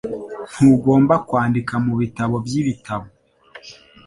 Ntugomba kwandika mubitabo byibitabo